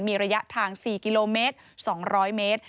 มีระยะทาง๔กิโลเมตร๒๐๐เมตร